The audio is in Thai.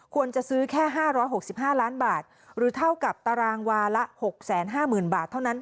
ควรจะซื้อแค่๕๖๕ล้านบาทหรือเท่ากับตารางวาละ๖๕๐๐๐บาทเท่านั้น